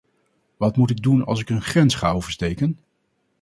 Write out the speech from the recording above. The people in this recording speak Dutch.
Wat moet ik doen als ik een grens ga oversteken?